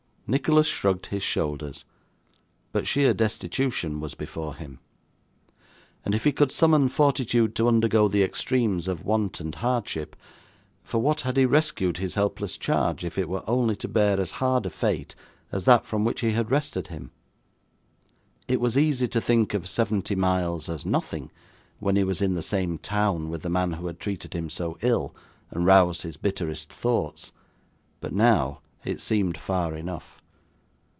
Nicholas shrugged his shoulders; but sheer destitution was before him; and if he could summon fortitude to undergo the extremes of want and hardship, for what had he rescued his helpless charge if it were only to bear as hard a fate as that from which he had wrested him? It was easy to think of seventy miles as nothing, when he was in the same town with the man who had treated him so ill and roused his bitterest thoughts; but now, it seemed far enough.